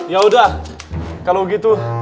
yaudah kalau gitu